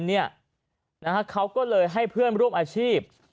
เขาก็เลยให้เพื่อนร่วมอาชีพ